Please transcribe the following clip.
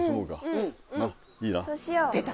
出た！